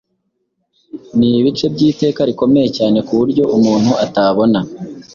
ni ibice by'iteka rikomeye cyane ku buryo umuntu atabona.